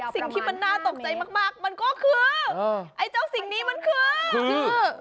สิ่งที่มันน่าตกใจมากมันก็คือ